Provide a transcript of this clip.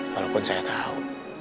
walaupun saya tahu